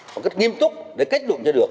một cách nghiêm túc để kết luận cho được